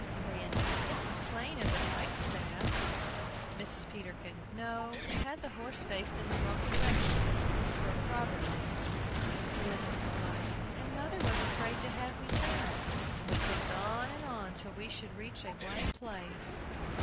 AMANDA. It's as plain as a pikestaff! MRS. PETERKIN. No; we had the horse faced in the wrong direction, toward Providence. ELIZABETH ELIZA. And mother was afraid to have me turn, and we kept on and on till we should reach a wide place.